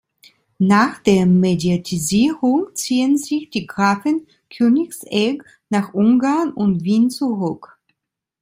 Nach der Mediatisierung ziehen sich die Grafen Königsegg nach Ungarn und Wien zurück.